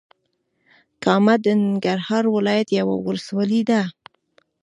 کامه د ننګرهار ولايت یوه ولسوالې ده.